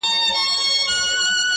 o تېر پر تېر، هېر پر هېر٫